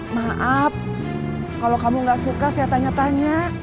maaf kalau kamu gak suka saya tanya tanya